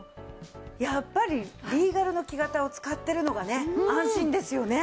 やっぱりリーガルの木型を使ってるのがね安心ですよね。